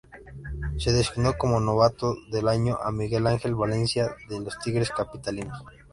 Se designó como novato del año a Miguel Ángel Valencia de los Tigres Capitalinos.